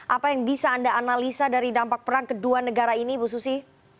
apa yang bisa anda analisa dari dampak perang kedua negara ini bu susi